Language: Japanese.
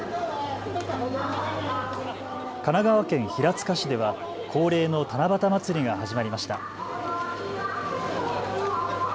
神奈川県平塚市では恒例の七夕まつりが始まりました。